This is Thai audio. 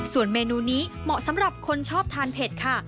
ส่วนเมนูนี้เหมาะสำหรับคนชอบทานเผ็ดค่ะ